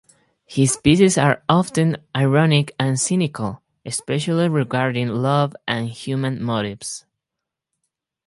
His pieces are often ironic and cynical, especially regarding love and human motives.